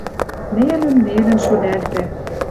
Нелӹн, нелӹн шӱлӓлтӓ.